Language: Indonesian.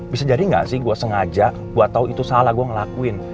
bisa jadi nggak sih gue sengaja gue tau itu salah gue ngelakuin